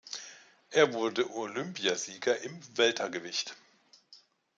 Er wurde Olympiasieger im Weltergewicht.